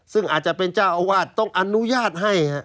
ซึ่งอาจจะเป็นเจ้าอาวาสต้องอนุญาตให้